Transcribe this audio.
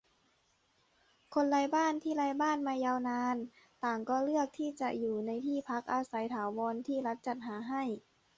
คนไร้บ้านที่ไร้บ้านมายาวนาน ต่างก็เลือกที่จะอยู่ในที่พักอาศัยถาวรที่รัฐจัดหาให้